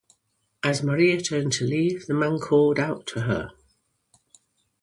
As Maria turned to leave, the man called out to her.